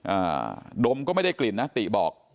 อ่าดมก็ไม่ได้กลิ่นนะติบอก